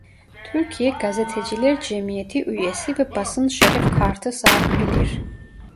Türkiye Gazeteciler Cemiyeti üyesi ve basın şeref kartı sahibidir.